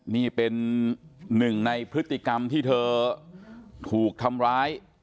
นี่เป็นหนึ่งในพฤติกรรมที่เธอถูกทำร้าย